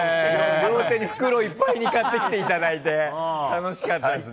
両手に袋いっぱいに買ってきていただいて、楽しかったですね。